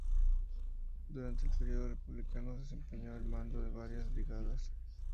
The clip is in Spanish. Durante el periodo republicano desempeñó el mando de varias brigadas.